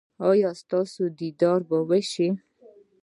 ایا ستاسو دیدار به وشي؟